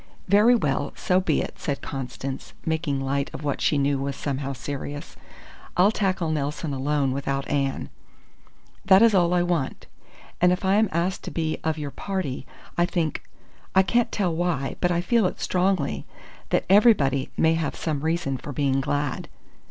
"Very well, so be it!" said Constance, making light of what she knew was somehow serious. "I'll tackle Nelson alone without Anne." "That is all I want. And if I am asked to be of your party, I think I can't tell why, but I feel it strongly that everybody may have some reason for being glad."